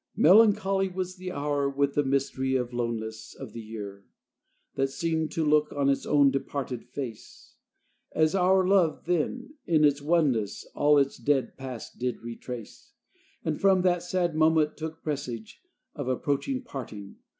Melancholy was the hour With the mystery and loneness Of the year, that seemed to look On its own departed face As our love then, in its oneness, All its dead past did retrace, And from that sad moment took Presage of approaching parting.